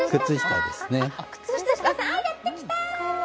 あ、やってきた。